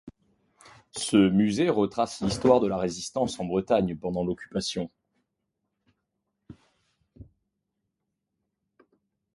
Ce musée retrace l'histoire de la résistance en Bretagne pendant l'Occupation.